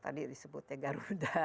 tadi disebutnya garuda